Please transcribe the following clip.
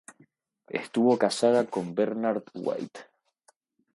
Estuvo casada con Bernard White.